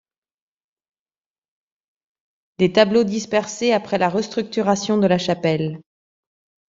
Des tableaux dispersés après la restructuration de la chapelle.